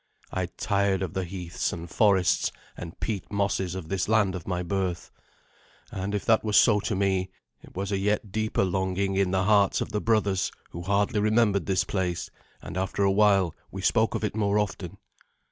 I tired of the heaths and forests and peat mosses of this land of my birth. And if that was so to me, it was a yet deeper longing in the hearts of the brothers who hardly remembered this place; and after a while we spoke of it more often.